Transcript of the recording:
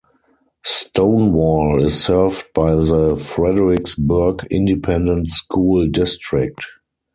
Stonewall is served by the Fredericksburg Independent School District.